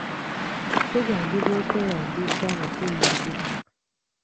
Tugambibwa okwewandiisa nga tuyingira.